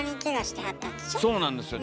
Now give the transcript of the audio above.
そうなんですよ。